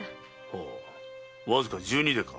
ほうわずか十二でか。